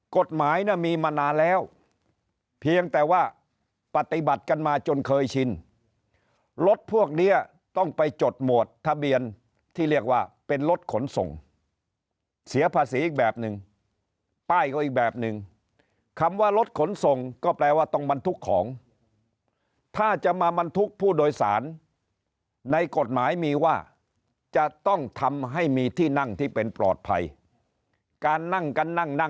กฎหมายเนี่ยมีมานานแล้วเพียงแต่ว่าปฏิบัติกันมาจนเคยชินรถพวกนี้ต้องไปจดหมวดทะเบียนที่เรียกว่าเป็นรถขนส่งเสียภาษีอีกแบบหนึ่งป้ายก็อีกแบบนึงคำว่ารถขนส่งก็แปลว่าต้องบรรทุกของถ้าจะมาบรรทุกผู้โดยสารในกฎหมายมีว่าจะต้องทำให้มีที่นั่งที่เป็นปลอดภัยการนั่งกันนั่งนั่ง